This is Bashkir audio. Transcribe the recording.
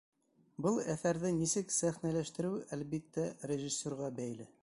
Был әҫәрҙе нисек сәхнәләштереү, әлбиттә, режиссерға бәйле.